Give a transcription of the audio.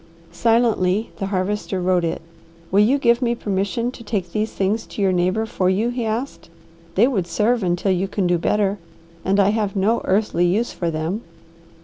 Silently the Harvester wrote it. "Will you give me permission to take these things to your neighbour for you?" he asked. "They would serve until you can do better, and I have no earthly use for them."